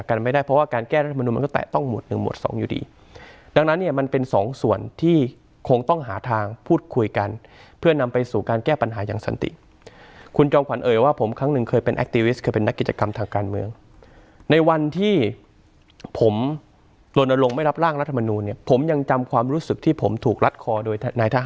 กันไม่ได้เพราะว่าการแก้รัฐมนุนมันก็แตะต้องหวดหนึ่งหมวดสองอยู่ดีดังนั้นเนี่ยมันเป็นสองส่วนที่คงต้องหาทางพูดคุยกันเพื่อนำไปสู่การแก้ปัญหาอย่างสันติคุณจอมขวัญเอ่ยว่าผมครั้งหนึ่งเคยเป็นแอคติวิสเคยเป็นนักกิจกรรมทางการเมืองในวันที่ผมลนลงไม่รับร่างรัฐมนูลเนี่ยผมยังจำความรู้สึกที่ผมถูกรัดคอโดยนายท